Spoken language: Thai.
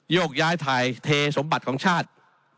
โยกย้ายถ่ายเทสมบัติของชาติ